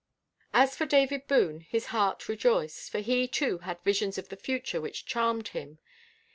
As for David Boone; his heart rejoiced, for he, too, had visions of the future which charmed him.